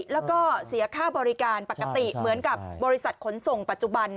แล้วก็เสียค่าบริการปกติเหมือนกับบริษัทขนส่งปัจจุบัน